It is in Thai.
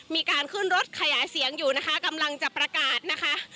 มีการขึ้นรถขยายเสียงอยู่นะคะกำลังจะประกาศนะคะ